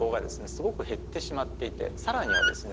すごく減ってしまっていて更にはですね